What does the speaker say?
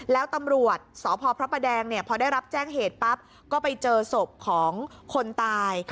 แล้วตำรวจสพพระประแดงเนี่ยพอได้รับแจ้งเหตุปั๊บก็ไปเจอศพของคนตาย